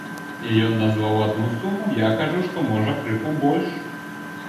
Ён назваў адну суму, я кажу, што, можа, крыху больш.